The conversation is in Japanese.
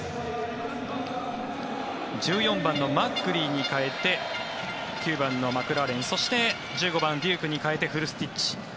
１４番のマッグリーに代えて９番のマクラーレンそして１５番、デュークに代えてフルスティッチ。